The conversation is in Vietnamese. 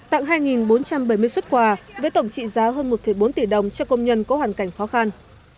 tặng hai bốn trăm bảy mươi xuất quà với tổng trị giá hơn một bốn tỷ đồng cho công nhân có hoàn cảnh khó khăn